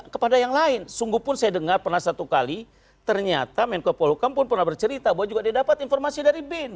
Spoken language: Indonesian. kepada yang lain sungguh pun saya dengar pernah satu kali ternyata menko polukam pun pernah bercerita bahwa juga dia dapat informasi dari bin